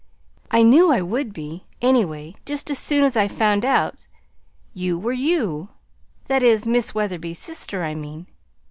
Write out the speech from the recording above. I knew I would be, anyway, just as soon as I found out you were YOU that is, Miss Wetherby's sister, I mean.